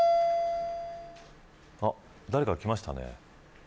誰か来ましたね。